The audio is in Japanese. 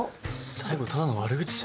最後ただの悪口じゃ。